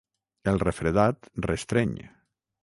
El refredat restreny.